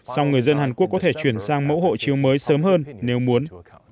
sau người dân hàn quốc có thể chuyển sang mẫu hộ chiếu mới sớm hơn nếu muốn